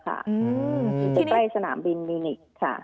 ใกล้สนามบินมิวนิกค่ะ